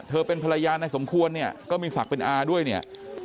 เป็นภรรยานายสมควรเนี่ยก็มีศักดิ์เป็นอาด้วยเนี่ย